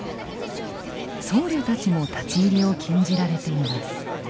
僧侶たちも立ち入りを禁じられています。